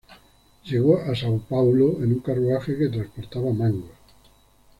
Llegó a São Paulo en un carruaje que transportaba mangos.